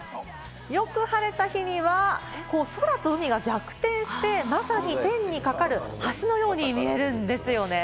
よく晴れた日には空と海が逆転して、まさに天に架かる橋のように見えるんですよね。